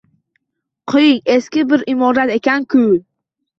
Qo‘ying, eski bir imorat ekan-ku.